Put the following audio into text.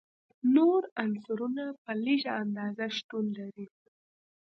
نور عنصرونه په لږه اندازه شتون لري.